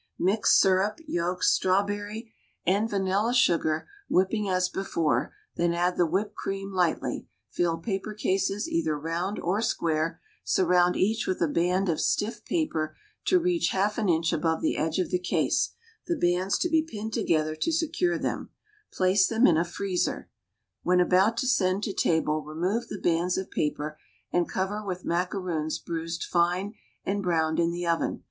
Mix syrup, yolks, strawberry, and vanilla sugar, whipping as before, then add the whipped cream lightly; fill paper cases, either round or square; surround each with a band of stiff paper, to reach half an inch above the edge of the case, the bands to be pinned together to secure them; place them in a freezer. When about to send to table, remove the bands of paper, and cover with macaroons bruised fine and browned in the oven.